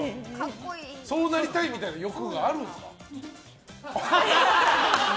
そうなりたいみたいな欲があるんですか。